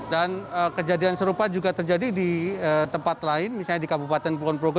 dan kejadian serupa juga terjadi di tempat lain misalnya di kabupaten pukul progo